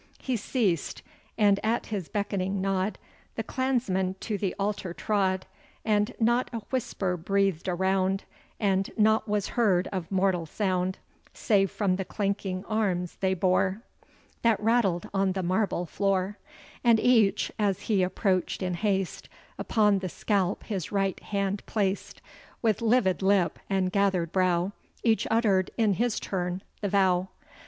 He ceased; and at his beckoning nod, The clansmen to the altar trod; And not a whisper breathed around, And nought was heard of mortal sound, Save from the clanking arms they bore, That rattled on the marble floor; And each, as he approach'd in haste, Upon the scalp his right hand placed; With livid lip, and gather'd brow, Each uttered, in his turn, the vow.